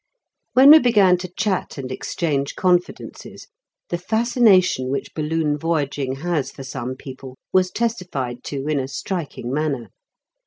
When we began to chat and exchange confidences, the fascination which balloon voyaging has for some people was testified to in a striking manner.